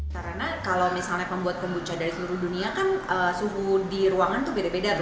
karena kalau misalnya pembuat kombucha dari seluruh dunia kan suhu di ruangan itu beda beda